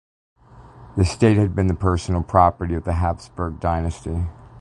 The state had been the personal property of the Habsburg dynasty.